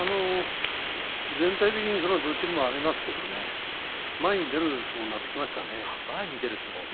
全体的にどっしりもありますけどね前に出る相撲になってきましたね。